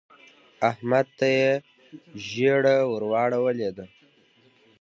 احمد ته يې ژیړه ور واړولې ده.